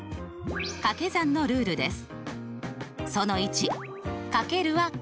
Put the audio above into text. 掛け算のルールです。